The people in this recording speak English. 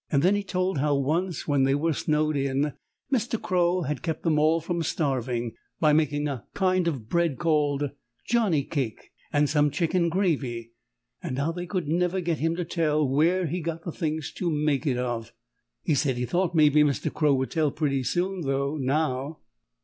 Then he told how once, when they were snowed in, Mr. Crow had kept them all from starving by making a kind of bread called Johnnie cake, and some chicken gravy, and how they could never get him to tell where he got the things to make it of. He said he thought maybe Mr. Crow would tell pretty soon, though, now.